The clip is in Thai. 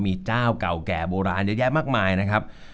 มีเจ้าเก่าแก่โบราณเยอะแยะมากมายนะครับ